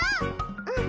うん。